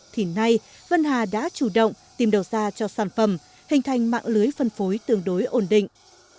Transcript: thì nay vân hà đã chủ động tìm đầu ra cho sản phẩm hình thành mạng lưới phân phối tương đối ổn định